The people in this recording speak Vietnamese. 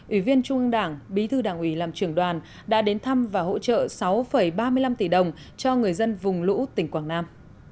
ủy viên trung ương đảng bí thư đảng ủy làm trưởng đoàn đã đến thăm và hỗ trợ sáu ba mươi năm tỷ đồng cho người dân vùng lũ tỉnh quảng nam